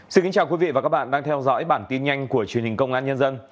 xin kính chào quý vị và các bạn đang theo dõi bản tin nhanh của truyền hình công an nhân dân